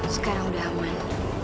sekarang udah aman